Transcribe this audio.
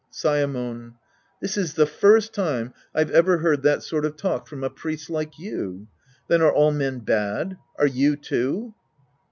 Saemon. This is the first time I've ever heard that sort of talk from a priest like you. Then are all men bad ? Are you, too